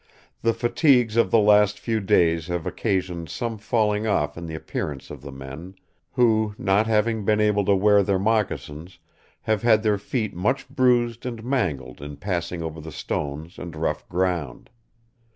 The fatigues of the last few days have occasioned some falling off in the appearance of the men; who, not having been able to wear their moccasins, have had their feet much bruised and mangled in passing over the stones and rough ground.